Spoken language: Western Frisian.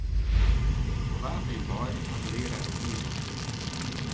Oan wa fan jim beiden hat de learaar de priis jûn?